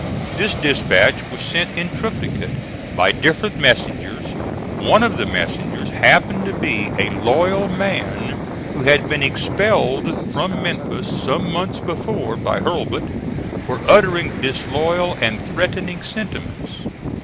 This dispatch was sent in triplicate, by different messengers. One of the messengers happened to be a loyal man who had been expelled from Memphis some months before by Hurlbut for uttering disloyal and threatening sentiments.